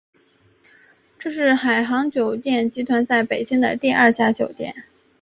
这是海航酒店集团在北京的第二家酒店。